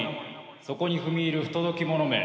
そこに踏み入る不届き者め。